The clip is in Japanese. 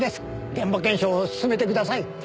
現場検証を進めてください。